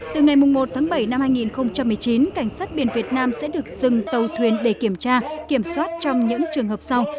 từ ngày một tháng bảy năm hai nghìn một mươi chín cảnh sát biển việt nam sẽ được dừng tàu thuyền để kiểm tra kiểm soát trong những trường hợp sau